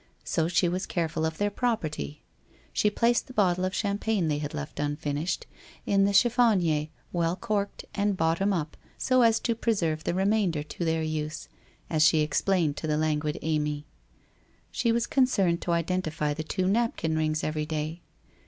So she was careful of their property. She placed the bottle of cham pagne they had left unfinished, in the chiffonier well corked, and bottom up, so as to preserve the remainder to their use, as she explained to the languid Amy. She was concerned to identify the two napkin rings every day.